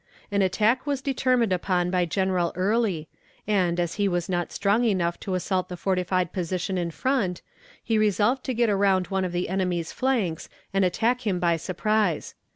An attack was determined upon by General Early, and, as he was not strong enough to assault the fortified position in front, he resolved to get around one of the enemy's flanks and attack him by surprise.